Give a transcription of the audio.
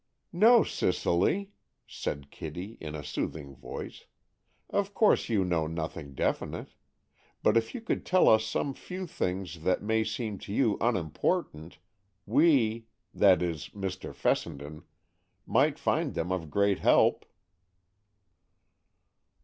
"No, Cicely," said Kitty, in a soothing voice, "of course you know nothing definite; but if you could tell us some few things that may seem to you unimportant, we—that is, Mr. Fessenden—might find them of great help."